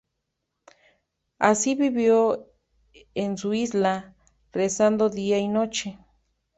Así vivió en su isla, rezando día y noche.